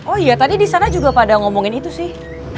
oh iya tadi di sana juga pada ngomongin itu sih